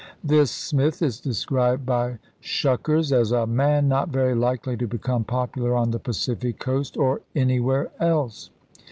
This Smith is described by Schuckers1 as "a man not very likely to become popular on the Pacific coast — or anywhere else.